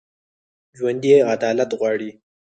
ژوندي عدالت غواړي